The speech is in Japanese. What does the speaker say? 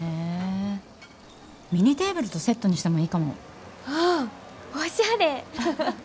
ミニテーブルとセットにしてもいいかも。ああおしゃれ！